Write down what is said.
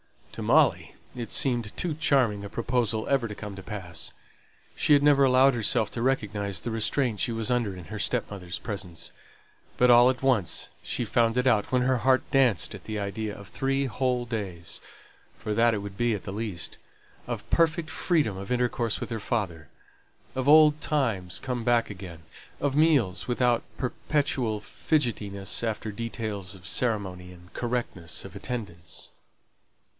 To Molly it seemed too charming a proposal ever to come to pass. She had never allowed herself to recognize the restraint she was under in her stepmother's presence; but all at once she found it out when her heart danced at the idea of three whole days for that it would be at the least of perfect freedom of intercourse with her father; of old times come back again; of meals without perpetual fidgetiness after details of ceremony and correctness of attendance.